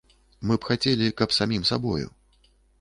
Мы б хацелі, каб самім сабою.